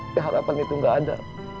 keharapan itu gak ada